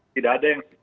tidak ada yang